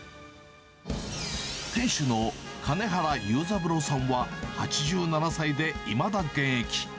店主の金原勇三郎さんは、８７歳でいまだ現役。